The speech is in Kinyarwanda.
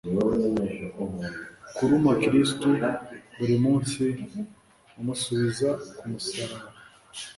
Kuruma kristu buri munsi umusubiza ku musaraba